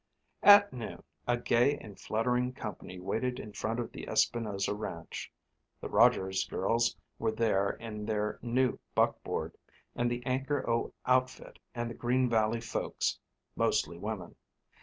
At noon a gay and fluttering company waited in front of the Espinosa Ranch. The Rogers girls were there in their new buckboard, and the Anchor O outfit and the Green Valley folks—mostly women.